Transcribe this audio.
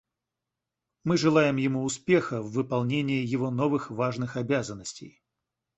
Мы желаем ему успеха в выполнении его новых важных обязанностей.